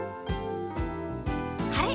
あれ？